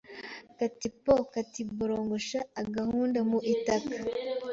Kati poo kati borogoshoAgahunda mu itaka